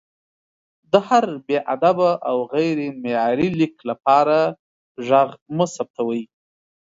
د هر بې ادبه او غیر معیاري لیک لپاره غږ مه ثبتوئ!